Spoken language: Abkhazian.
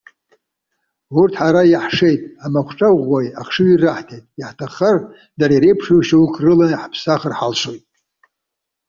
Урҭ, ҳара иаҳшеит, амахәҿа ӷәӷәеи ахшыҩи раҳҭеит. Иаҳҭаххар, дара иреиԥшу шьоукы рыла иҳаԥсахыр ҳалшоит.